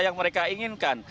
yang mereka inginkan